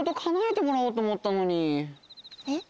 えっ？